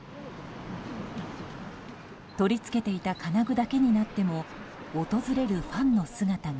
取り付けていた金具だけになっても訪れるファンの姿が。